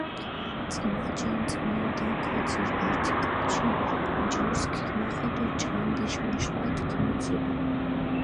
წჷმაჯინჷ წჷმიი დო ქოძირჷ, ართი კოჩი ნჯორსჷ ქიგეხენდო ჭანდიში მაშხვათჷ ქიმიძირე.